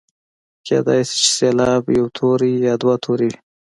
کیدلای شي چې سېلاب یو توری یا دوه توري وي.